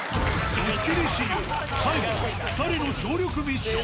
ドッキリ修行、最後は、２人の協力ミッション。